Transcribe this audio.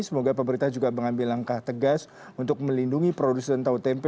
semoga pemerintah juga mengambil langkah tegas untuk melindungi produsen tahu tempe